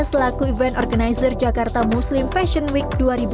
selaku event organizer jakarta muslim fashion week dua ribu dua puluh